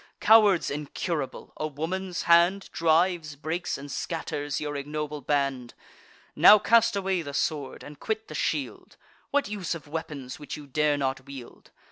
Cowards incurable, a woman's hand Drives, breaks, and scatters your ignoble band! Now cast away the sword, and quit the shield! What use of weapons which you dare not wield?